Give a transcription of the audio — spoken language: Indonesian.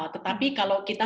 tetapi kalau kita